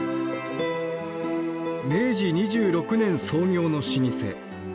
明治２６年創業の老舗。